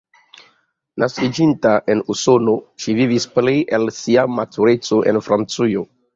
Naskiĝinta en Usono, ŝi vivis plej el sia matureco en Francujo.